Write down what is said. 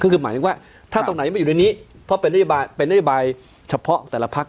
ก็คือหมายถึงว่าถ้าตรงไหนไม่อยู่ในนี้เพราะเป็นนโยบายเป็นนโยบายเฉพาะแต่ละพัก